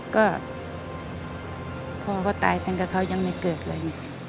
ก็พ่อพ่อตายแต่กับเขายังไม่เกิดเลย